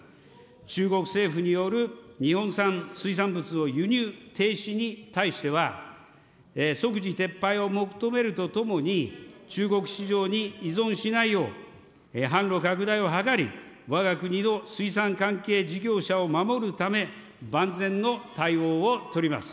中国政府による日本産水産物の輸入停止に対しては、即時撤廃を求めるとともに、中国市場に依存しないよう、販路拡大を図り、わが国の水産関係事業者を守るため、万全の対応を取ります。